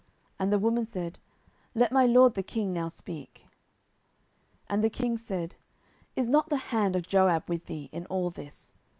And the woman said, Let my lord the king now speak. 10:014:019 And the king said, Is not the hand of Joab with thee in all this?